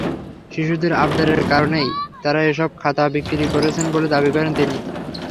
শিশুদের আবদারের কারণেই তাঁরা এসব খাতা বিক্রি করছেন বলে দাবি করেন তিনি।